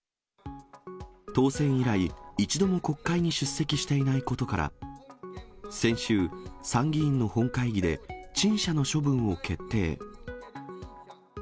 当選以来、一度も国会に出席していないことから、先週、参議院の本会議で陳謝の処分を決定。